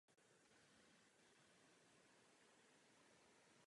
Vnitřní část křídel je červená nebo oranžová.